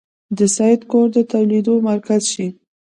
د سید کور د ټولېدلو مرکز شي.